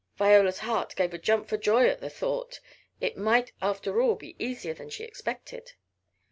Viola's heart gave a jump for joy at the thought. It might after all be easier than she expected.